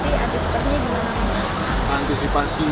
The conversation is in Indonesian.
tapi antisipasinya di mana